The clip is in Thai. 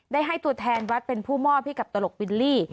ได้ให้ตัวแทนวัดเป็นผู้มอบให้กับตลกบิลลี่